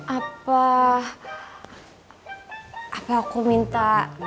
apa apa aku minta